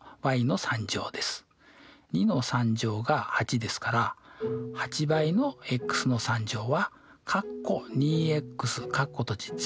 ２の３乗が８ですから８倍のｘは全体の３乗。